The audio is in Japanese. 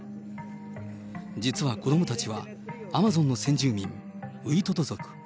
実は子どもたちは、アマゾンの先住民、ウイトト族。